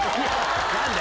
何だ！